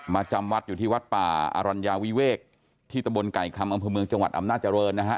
จำวัดอยู่ที่วัดป่าอรัญญาวิเวกที่ตะบนไก่คำอำเภอเมืองจังหวัดอำนาจริงนะฮะ